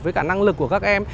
với năng lực của các em